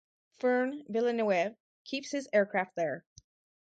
Fern Villeneuve keeps his aircraft there.